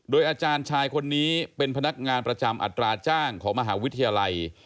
อาจารย์ชายคนนี้เป็นพนักงานประจำอัตราจ้างของมหาวิทยาลัย